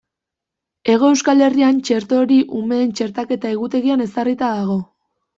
Hego Euskal Herrian txerto hori umeen txertaketa-egutegian ezarrita dago.